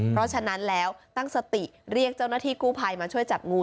เพราะฉะนั้นแล้วตั้งสติเรียกเจ้าหน้าที่กู้ภัยมาช่วยจับงู